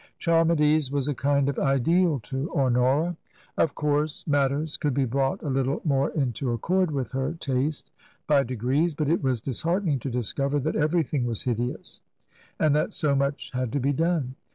Charmides was a kind of ideal to Honora. Of course matters could be brought a little more into accord with her taste by degrees, but it was dishearten ing to discover that everything was hideous and that so much had to be done.